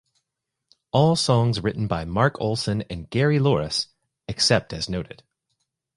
All songs written by Mark Olson and Gary Louris except as noted.